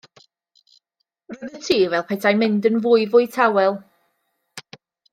Roedd y tŷ fel petai'n mynd yn fwyfwy tawel.